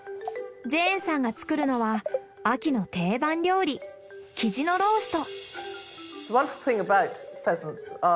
ジェーンさんが作るのは秋の定番料理キジのロースト。